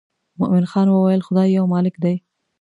مومن خان وویل خدای یو مالک دی.